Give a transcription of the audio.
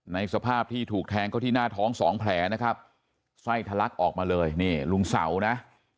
สภาพที่ถูกแทงเขาที่หน้าท้องสองแผลนะครับไส้ทะลักออกมาเลยนี่ลุงเสานะ